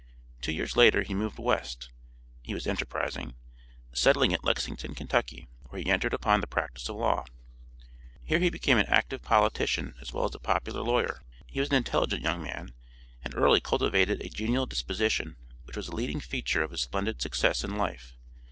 Two years later he moved "West," (he was enterprising), settling at Lexington, Kentucky, where he entered upon the practice of law. Here he became an active politician as well as a popular lawyer. He was an intelligent young man, and early cultivated a genial disposition which was a leading feature of his splendid success in life.